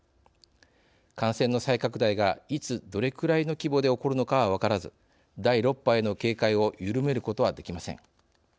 感染の再拡大がいつどれくらいの規模で起こるのかは分からず第６波への警戒を緩めることはできません。